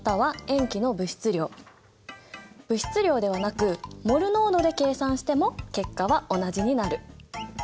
物質量ではなくモル濃度で計算しても結果は同じになる。